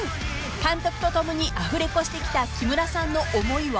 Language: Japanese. ［監督と共にアフレコしてきた木村さんの思いは］